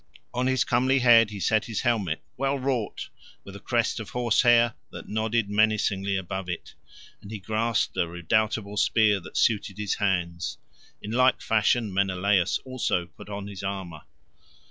On his comely head he set his helmet, well wrought, with a crest of horse hair that nodded menacingly above it, and he grasped a redoubtable spear that suited his hands. In like fashion Menelaus also put on his armour.